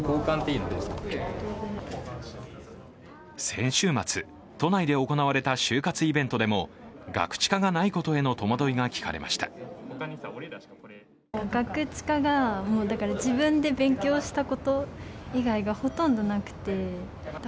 先週末、都内で行われた就活イベントでもガクチカがないことへの戸惑いが聞かれました。